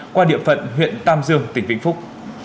qua địa phận huyện tam dương tỉnh vĩnh phúc